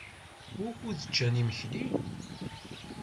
Wukud ččan imekli?